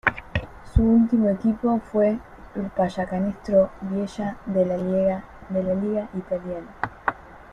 Su último equipo fue el Pallacanestro Biella de la liga italiana.